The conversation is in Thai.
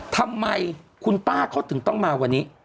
ทำไมคุณป้าเขาถึงต้องมาวันนี้